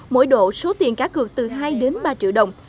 mỗi độ số tiền cá cược từ hai đến ba triệu đồng